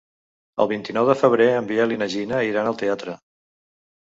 El vint-i-nou de febrer en Biel i na Gina iran al teatre.